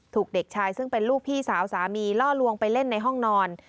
ถูกเด็กชายซึ่งเป็นลูกพี่สาวสามีล่อลวงไปเล่นในห้องนอน